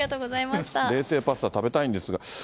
冷製パスタ食べたいんですが。